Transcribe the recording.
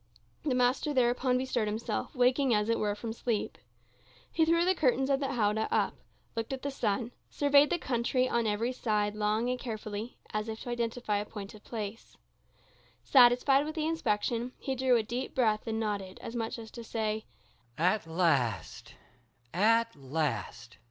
The master thereupon bestirred himself, waking, as it were, from sleep. He threw the curtains of the houdah up, looked at the sun, surveyed the country on every side long and carefully, as if to identify an appointed place. Satisfied with the inspection, he drew a deep breath and nodded, much as to say, "At last, at last!"